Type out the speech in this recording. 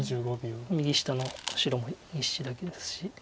右下の白も１子だけですし。